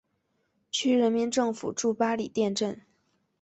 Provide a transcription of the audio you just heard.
区人民政府驻八里店镇。